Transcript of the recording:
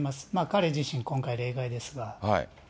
彼自身、今回例外ですが。